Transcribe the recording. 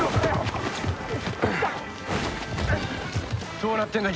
どうなってんだ？